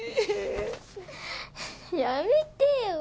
やめてよ。